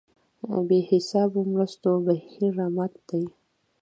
بې حسابو مرستو بهیر رامات دی.